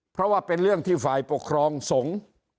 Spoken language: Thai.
เพราะว่าเป็นเรื่องที่ฝ่ายปกครองสงฆ์